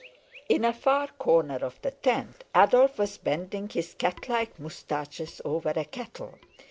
In a far corner of the tent Adolf was bending his cat like moustaches over a kettle.